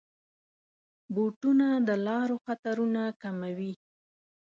بوټونه د لارو خطرونه کموي.